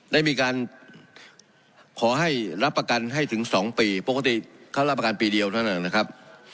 ได้มีการขอให้รับประกันให้ถึง๒ปีปกติเขารับประกันปีเดียวเท่านั้นนะครับ